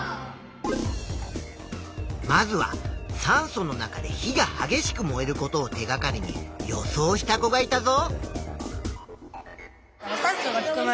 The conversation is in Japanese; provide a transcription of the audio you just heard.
まずは酸素の中で火がはげしく燃えることを手がかりに予想した子がいたぞ。